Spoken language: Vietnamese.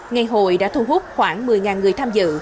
ngày hội đã thu hút khoảng một mươi người tham dự